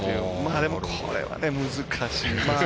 でも、これは難しい。